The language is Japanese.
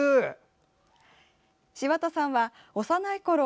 柴田さんは幼いころ